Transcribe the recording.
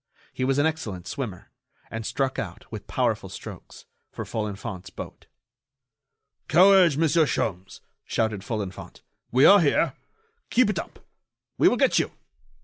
He was an excellent swimmer, and struck out, with powerful strokes, for Folenfant's boat. "Courage, Monsieur Sholmes," shouted Folenfant; "we are here. Keep it up ... we will get you